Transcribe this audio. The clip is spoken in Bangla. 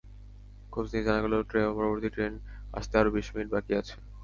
খোঁজ নিয়ে জানা গেল পরবর্তী ট্রেন আসতে আরও বিশ মিনিট বাকি আছে।